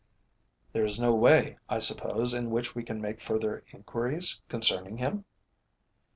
"There is no way, I suppose, in which we can make further enquiries concerning him?"